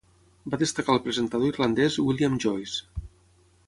Va destacar el presentador irlandès William Joyce.